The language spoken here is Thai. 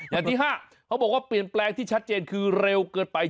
อย่างที่๕เขาบอกว่าเปลี่ยนแปลงที่ชัดเจนคือเร็วเกินไป